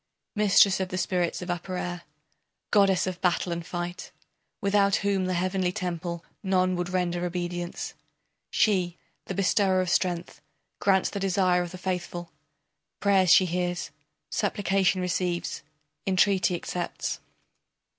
Mistress of the spirits of upper air, Goddess of battle and fight, Without whom the heavenly temple None would render obedience, She, the bestower of strength, grants the desire of the faithful, Prayers she hears, supplication receives, entreaty accepts.